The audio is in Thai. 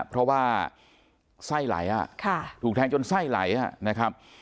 เพราะว่าไส้ไหลถูกแทงจนไส้ไหลนะครับ